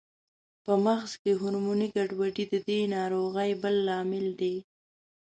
په مغز کې هورموني ګډوډۍ د دې ناروغۍ بل لامل دی.